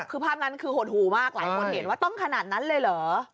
คือภาพนั้นคือหดหูมากหลายคนเห็นว่าต้องขนาดนั้นเลยเหรอ